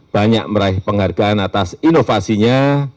banyak meraih penghargaan atas inovasinya